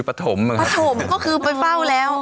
ปฐมก็คือไปเฝ้าแล้ว